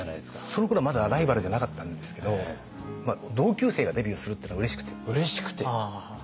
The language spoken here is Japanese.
そのころはまだライバルじゃなかったんですけど同級生がデビューするっていうのがうれしくて。